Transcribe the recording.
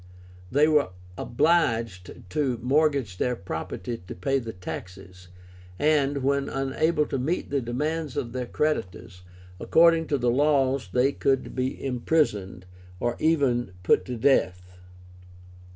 They were obliged to mortgage their property to pay the taxes, and, when unable to meet the demands of their creditors, according to the laws they could be imprisoned, or even put to death.